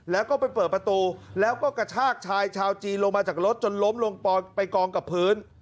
แล้วก็ไปเปิดประตูแล้วก็กระชากชายชาวจีนลงมาจากรถจนล้มลงไปกองกับพื้น